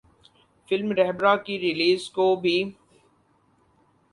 film ’Rahbara‘ کی release کو بھی